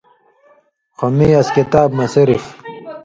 خو میں اس کتاب مہ صرف